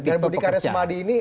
dan budi karyasumadi ini